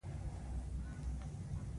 یوه ماته آینه لمر ته ځلیږي